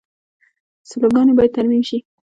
سیلوګانې باید ترمیم شي.